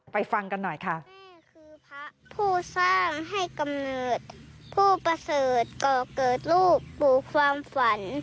ไปฟังกันหน่อยค่ะ